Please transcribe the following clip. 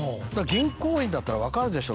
銀行員だったら分かるでしょ。